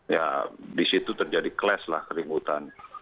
ya di situ terjadi kles lah keributan